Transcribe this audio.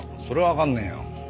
それはわかんねえよ。